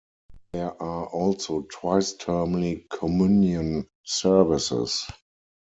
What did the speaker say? There are also twice-termly Communion services.